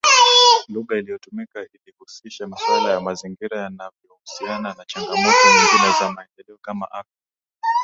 Lugha iliyotumika ilihusisha masuala ya mazingira yanavyohusiana na changamoto nyingine za maendeleo kama afya